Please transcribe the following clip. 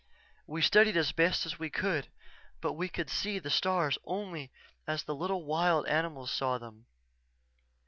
We studied as best we could but we could see the stars only as the little wild animals saw them.